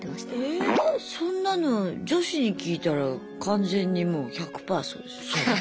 えそんなの女子に聞いたら完全にもう１００パーそうですよ。